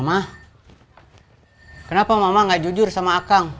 mama kenapa mama enggak jujur sama a kang